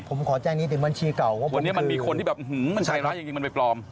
ผมขอแจ้งนี้ถึงบัญชีเก่าว่าวันนี้มันมีคนที่แบบมันใจร้ายจริงมันไปปลอม